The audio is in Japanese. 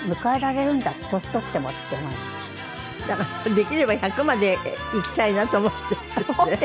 できれば１００まで生きたいなと思っているって？